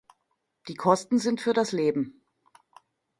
Die Kosten sind für das Leben.